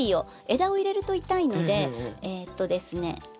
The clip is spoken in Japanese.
枝を入れると痛いのでえとですね